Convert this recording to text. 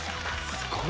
すごい。